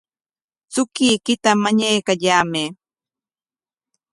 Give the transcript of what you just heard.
Chukuykita mañaykallamay.